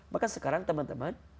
maka sekarang teman teman